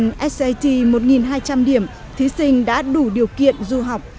nếu như chỉ cần sat một hai trăm linh điểm thí sinh đã đủ điều kiện du học